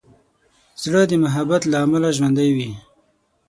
زړه د محبت له امله ژوندی وي.